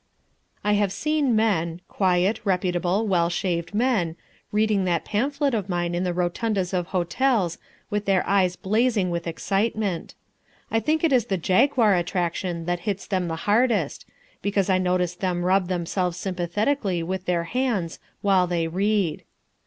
I have seen men quiet, reputable, well shaved men reading that pamphlet of mine in the rotundas of hotels, with their eyes blazing with excitement. I think it is the jaguar attraction that hits them the hardest, because I notice them rub themselves sympathetically with their hands while they read.